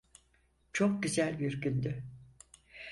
Çok güzel bir gündü.